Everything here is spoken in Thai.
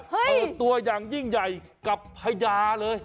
เปิดตัวอย่างยิ่งใหญ่กับพญาเลย